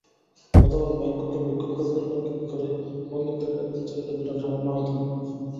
গতকাল ব্যাংককে বিক্ষোভকারীদের লক্ষ্য করে বন্দুকধারীরা গুলি চালালে দুজন সামান্য আহত হন।